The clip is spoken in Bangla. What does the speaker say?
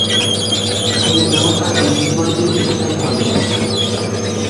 এই ব্যবস্থাটি দীর্ঘদিন স্থায়ী হয়নি।